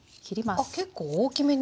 あっ結構大きめに。